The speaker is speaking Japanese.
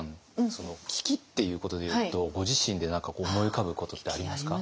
その危機っていうことでいうとご自身で何か思い浮かぶことってありますか？